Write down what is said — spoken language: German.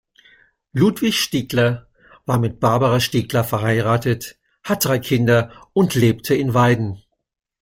Ludwig Stiegler war mit Barbara Stiegler verheiratet, hat drei Kinder und lebte in Weiden.